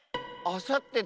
あさって？